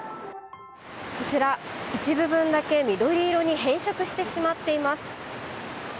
こちら一部分だけ緑色に変色してしまっています。